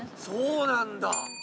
そうなんだ。